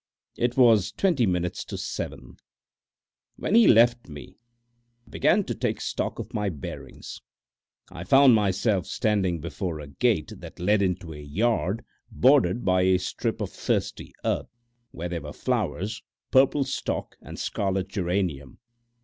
It was twenty minutes to seven. When he left me I began to take stock of my bearings. I found myself standing before a gate that led into a yard bordered by a strip of thirsty earth, where there were flowers, purple stock and scarlet geranium.